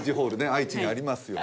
愛知にありますよ。